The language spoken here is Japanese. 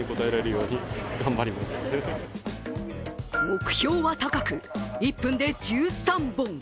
目標は高く１分で１３本。